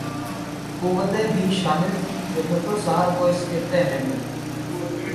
قوتیں بھی شامل تھیں جو بھٹو صاحب کو اس خطے میں